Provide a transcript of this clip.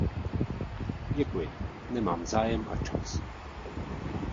Děkuji, nemám zájem a čas.